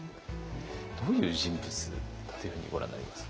どういう人物だというふうにご覧になりますか？